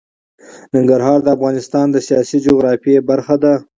ننګرهار د افغانستان د سیاسي جغرافیه برخه ده.